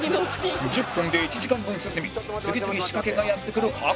１０分で１時間分進み次々仕掛けがやってくる過酷ロケ！